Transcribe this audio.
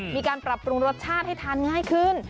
มีการปรับปรุงรสชาติให้ทานง่ายขึ้น